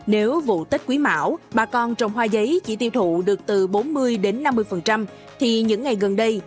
nếu vụ tết quý mão bà con trồng hoa giấy chỉ tiêu thụ được từ bốn mươi đến năm mươi thì những ngày gần đây